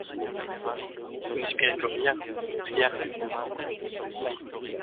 Vous n’espérez plus rien! rien !